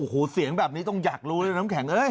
โอ้โหเสียงแบบนี้ต้องอยากรู้เลยน้ำแข็งเอ้ย